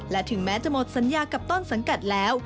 และถึงแม้จะหมดสัญญากับต้นสังกัดแล้ว